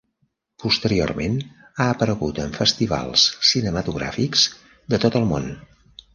Posteriorment, ha aparegut en festivals cinematogràfics de tot el món.